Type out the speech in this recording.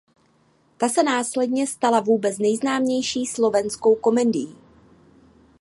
Ta se následně stala vůbec nejznámější slovenskou komedií.